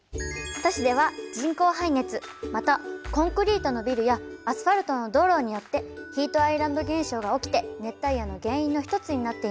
都市では人工排熱またコンクリートのビルやアスファルトの道路によってヒートアイランド現象が起きて熱帯夜の原因の一つになっています。